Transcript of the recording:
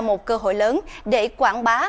một cơ hội lớn để quảng bá